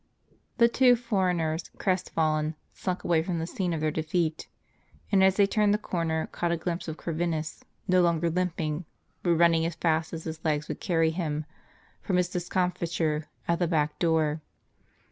The two foreigners, crest fallen, slunk away from the scene of their defeat ; and as they turned the corner, caught a glimpse of Corvinus, no longer limping, but running as w fast as his legs would cany him, from his discomfiture at the back door.